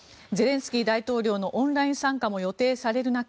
ゼレンスキー大統領のオンライン参加も予定される